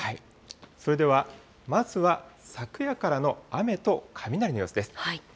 それでは、まずは昨夜からの雨と雷の様子です。